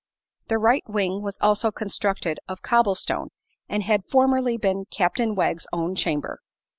The right wing was also constructed of cobble stone, and had formerly been Captain Wegg's own chamber.